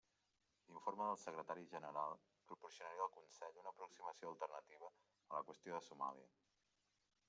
L'informe del Secretari General proporcionaria al Consell una aproximació alternativa a la qüestió de Somàlia.